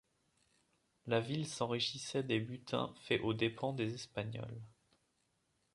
La ville s'enrichissait des butins faits aux dépens des Espagnols.